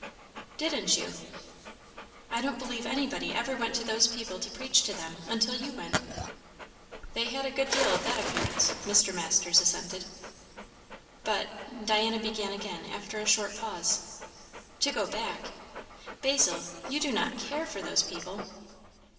"Didn't you?" "I don't believe anybody ever went to those people to preach to them, until you went." "They had a good deal of that appearance," Mr. Masters assented. "But," Diana began again after a short pause, "to go back; Basil, you do not care for those people?"